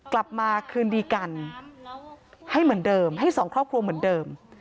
กลับมาคืนดีกันให้เหมือนเดิมให้สองครอบครัวเหมือนเดิม